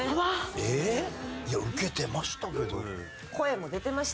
えーっ？いやウケてましたけど。